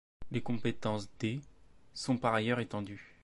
Les compétences des sont par ailleurs étendues.